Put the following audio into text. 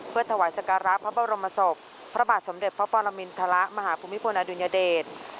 เพื่อถวายสการะพระบรมศพพระบาทสมเด็จพระปรมินทรมาหาภูมิพลอดุญเดช